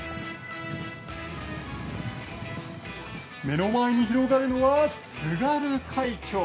目の前に広がるのは津軽海峡。